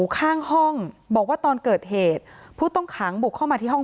ข้างห้องบอกว่าตอนเกิดเหตุผู้ต้องขังบุกเข้ามาที่ห้อง